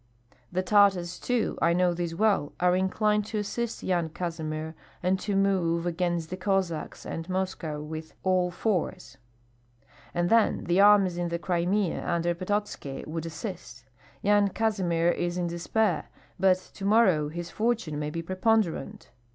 The Tartars, too, I know this well, are inclined to assist Yan Kazimir, and to move against the Cossacks and Moscow with all force; and then the armies in the Crimea under Pototski would assist. Yan Kazimir is in despair, but tomorrow his fortune may be preponderant."